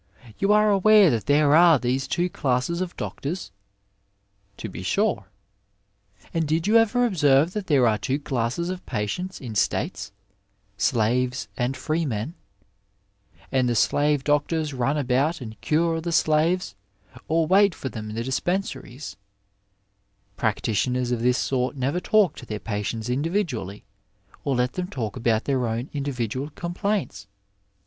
You are aware that there are these two ckuwes of doctors ? GZe. To be sure. (Eih, And did you ever observe that there are two classes of patients in states, slaves and freemen ; and the slave doctors run about and cure the slaves, or wait for them in the dispensaries — practitioners of this sort never talk to their patients individually, or let them talk about their own individual complaints